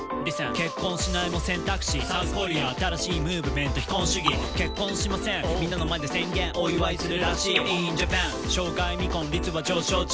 結婚しないも選択肢」「ＳｏｕｔｈＫｏｒｅａ」「新しいムーブメント非婚主義」「結婚しませんみんなの前で宣言お祝いするらしい」「ｉｎＪａｐａｎ生涯未婚率は上昇中」